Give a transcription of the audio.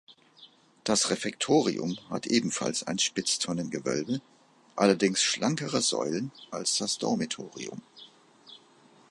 Das Refektorium hat ebenfalls ein Spitztonnengewölbe, allerdings schlankere Säulen als das Dormitorium.